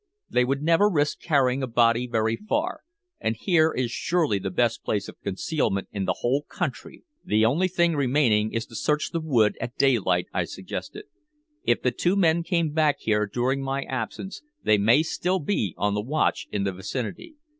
They would never risk carrying a body very far, and here is surely the best place of concealment in the whole country." "The only thing remaining is to search the wood at daylight," I suggested. "If the two men came back here during my absence they may still be on the watch in the vicinity."